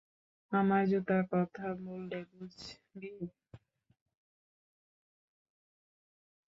আমার জুতা কথা বললে বুঝবি?